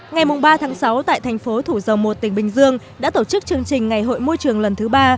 ngày ba sáu tại thành phố thủ dầu một tỉnh bình dương đã tổ chức chương trình ngày hội môi trường lần thứ ba